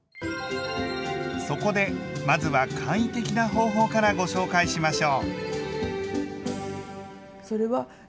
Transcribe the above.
そこでまずは簡易的な方法からご紹介しましょう！